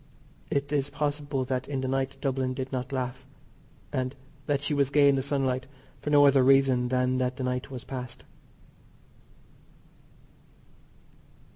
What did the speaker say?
It is possible that in the night Dublin did not laugh, and that she was gay in the sunlight for no other reason than that the night was past.